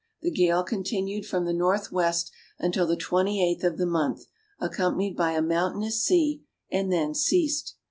The gale continued from the north west until the 28th of the month, accompanied by a mountainous sea, and then ceased.